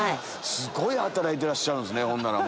すごい働いてらっしゃるんすね。